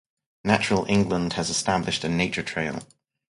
Natural England has established a Nature trail.